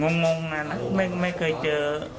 งงนะไม่เคยเจอ